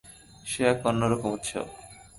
সে এক অন্য রকম উৎসব।